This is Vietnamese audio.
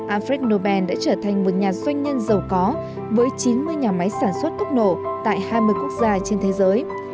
alfred nobel đã trở thành một nhà doanh nhân giàu có với chín mươi nhà máy sản xuất thuốc nổ tại hai mươi quốc gia trên thế giới